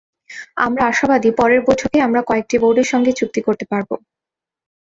আমরা আশাবাদী পরের বৈঠকেই আমরা কয়েকটি বোর্ডের সঙ্গে চুক্তি করতে পারব।